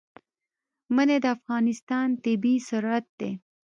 منی د افغانستان طبعي ثروت دی.